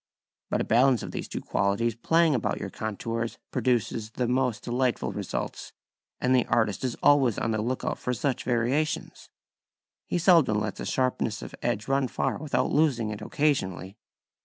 But a balance of these two qualities playing about your contours produces the most delightful results, and the artist is always on the look out for such variations. He seldom lets a sharpness of edge run far without losing it occasionally.